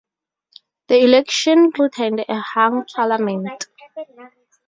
The election returned a hung parliament.